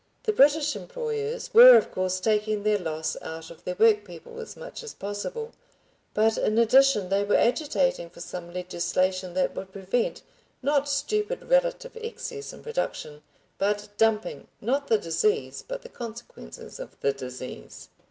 The British employers were, of course, taking their loss out of their workpeople as much as possible, but in addition they were agitating for some legislation that would prevent—not stupid relative excess in production, but "dumping"—not the disease, but the consequences of the disease.